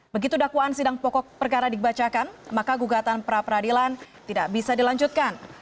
begitu dakwaan sidang pokok perkara dibacakan maka gugatan pra peradilan tidak bisa dilanjutkan